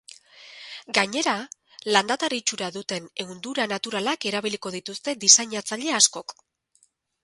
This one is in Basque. Gainera, landatar itxura duten ehundura naturalak erabiliko dituzte diseinatzaile askok.